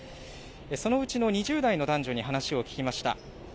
そのうちの２０代の男女に話を聞きました。